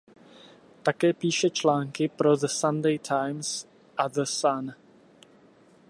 Také píše články pro The Sunday Times a The Sun.